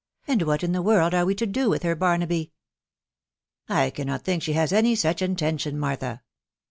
• and what in the world are to do with her, Barnahy ?"" I cannot think she has any such intention, Martha.